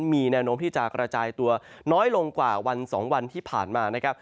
มีแนวโน้มที่จะกระจายตัวน้อยลงกว่าวัน๒วันที่ผ่านมานะครับ